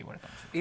え！？